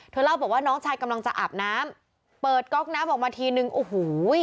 เล่าบอกว่าน้องชายกำลังจะอาบน้ำเปิดก๊อกน้ำออกมาทีนึงโอ้โห